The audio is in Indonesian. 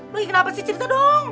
lo lagi kenapa sih cerita dong